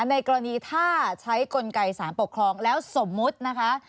ในกรณีถ้าใช้กลไกสารปกครองแล้วสมมุตินะคะ